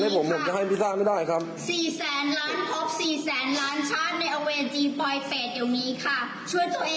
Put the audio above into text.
สามแสนล้านครบสามแสนล้านชาติในอรกนรกโอเวจีปลอยเป็ดเดี๋ยวนี้ค่ะ